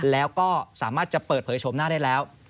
แล้วก็สามารถจะเปิดเผยชมหน้าได้แล้ว